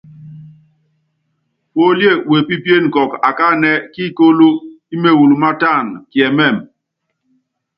Puólíé wepípíene kɔɔkɔ akánɛ kíikóló ímewulu mátána, kiɛmɛ́mɛ.